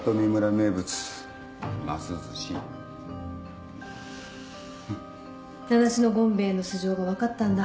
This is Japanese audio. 名無しの権兵衛の素性が分かったんだ。